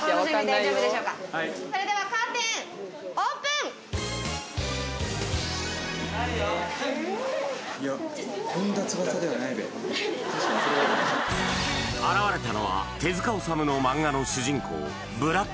それではカーテン現れたのは手塚治虫の漫画の主人公